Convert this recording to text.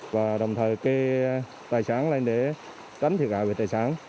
và đồng thời kê tài sản lên để tránh thiệt hại về tài sản